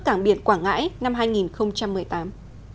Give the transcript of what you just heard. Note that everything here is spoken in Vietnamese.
cảng biển quảng ngãi năm hai nghìn một mươi tám